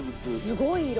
すごい色！